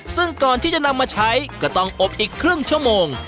ซึ่งก่อนที่จะนำมาใช้ก็ต้องอบอีกครึ่งชั่วโมง